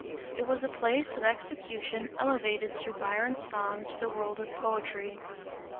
It was a place of execution elevated through Byron's song to the world of poetry.